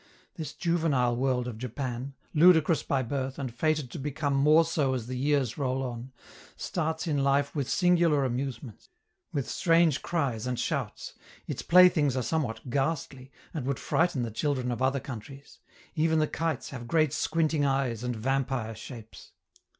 This juvenile world of Japan ludicrous by birth, and fated to become more so as the years roll on starts in life with singular amusements, with strange cries and shouts; its playthings are somewhat ghastly, and would frighten the children of other countries; even the kites have great squinting eyes and vampire shapes.